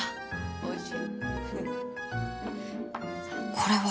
おいしい